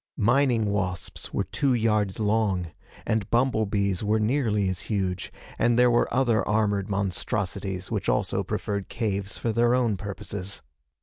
Mining wasps were two yards long, and bumble bees were nearly as huge, and there were other armored monstrosities which also preferred caves for their own purposes.